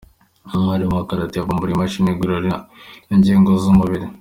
Umwarimu wa Karate yavumbuye imashini igorora ingingo z’umubiri